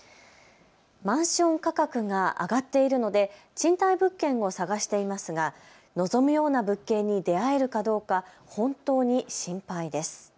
マンション価格が上がっているので賃貸物件を探していますが望むような物件に出会えるかどうか本当に心配です。